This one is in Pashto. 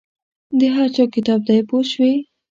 د هر چا کتاب دی پوه شوې!.